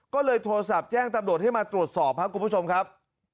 ก็เลยโทรศัพท์แจ้งตำรวจให้มาตรวจสอบครับคุณผู้ชมครับ